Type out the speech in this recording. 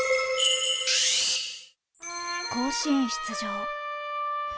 甲子園出場。